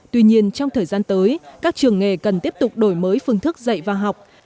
tuy nhiên trong thời gian tới các trường nghề cần tiếp tục đổi mới phương thức dạy và học